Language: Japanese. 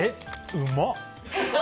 うまっ！